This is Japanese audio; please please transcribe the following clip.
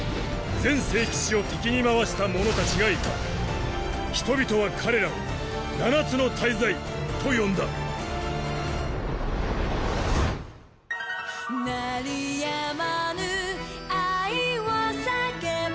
全聖騎士を敵に回した者たちがいた人々は彼らを七つの大罪と呼んだなあ団ちょいいだろ？